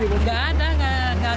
tidak ada angin kecang